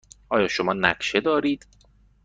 آیا شما نقشه دارید؟